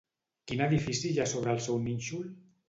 Quin edifici hi ha sobre el seu nínxol?